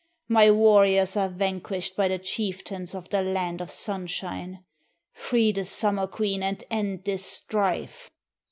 My warriors are vanquished by the chieftains of the land of Sunshine! Free the Summer Queen and end this strife!"